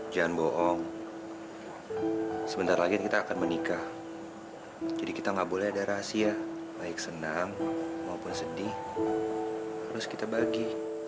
jangan bohong sebentar lagi kita akan menikah jadi kita nggak boleh ada rahasia baik senang maupun sedih harus kita bagi